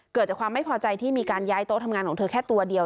เกิดจากความไม่พอใจที่มีการย้ายโต๊ะทำงานของเธอแค่ตัวเดียว